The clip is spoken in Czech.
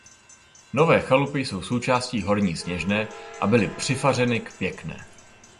Nové Chalupy jsou součástí Horní Sněžné a byly přifařeny k Pěkné.